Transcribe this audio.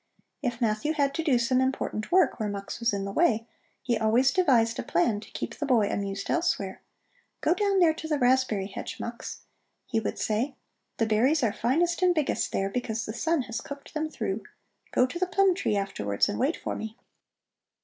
If Matthew had to do some important work where Mux was in his way, he always devised a plan to keep the boy amused elsewhere: "Go down there to the raspberry hedge, Mux!" he would say. "The berries are finest and biggest there, because the sun has cooked them through. Go to the plum tree afterwards and wait for me!"